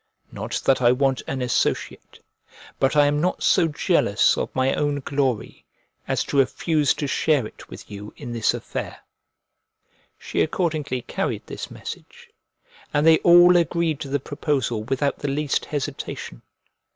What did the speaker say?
Not that I want an associate, but I am not so jealous of my own glory as to refuse to share it with you in this affair." She accordingly carried this message; and they all agreed to the proposal without the least hesitation.